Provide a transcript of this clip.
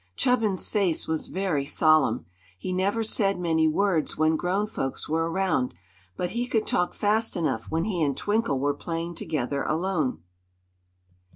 Chubbins's face was very solemn. He never said many words when grown folks were around, but he could talk fast enough when he and Twinkle were playing together alone.